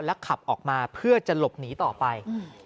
ขับออกมาเพื่อจะหลบหนีต่อไป